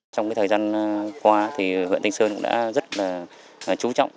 trong thời gian qua huyện thanh sơn đã rất chú trọng